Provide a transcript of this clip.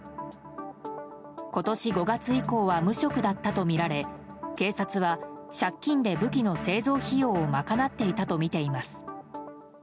今年５月以降は無職だったとみられ警察は、借金で武器の製造費用を賄っていたとみています。